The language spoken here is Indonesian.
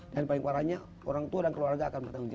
paling parahnya orang tua dan keluarga akan bertanggung jawab